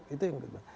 itu yang kedua